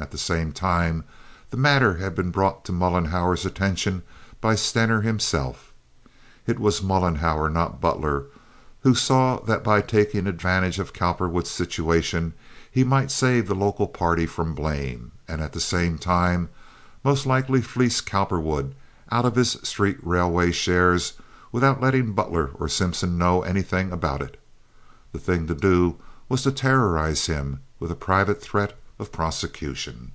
At the same time the matter had been brought to Mollenhauer's attention by Stener himself. It was Mollenhauer, not Butler who saw that by taking advantage of Cowperwood's situation, he might save the local party from blame, and at the same time most likely fleece Cowperwood out of his street railway shares without letting Butler or Simpson know anything about it. The thing to do was to terrorize him with a private threat of prosecution.